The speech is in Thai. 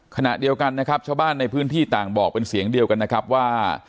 ขณะเดียวกันนะครับชาวบ้านในพื้นที่ต่างบอกเป็นเสียงเดียวกันนะครับว่า